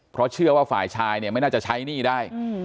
เพราะเชื่อว่าฝ่ายชายเนี่ยไม่น่าจะใช้หนี้ได้